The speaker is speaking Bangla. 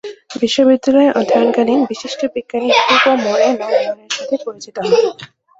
বিশ্ববিদ্যালয়ে অধ্যয়নকালীন বিশিষ্ট বিজ্ঞানী হুগো মোরেনো লিওনের সাথে পরিচিত হন।